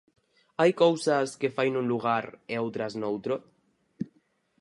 Hai cousas que fai nun lugar e outras noutro?